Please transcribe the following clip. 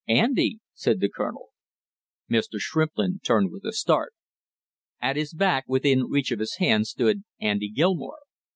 "Andy!" said the colonel. Mr. Shrimplin turned with a start. At his back within reach of his hand stood Andy Gilmore.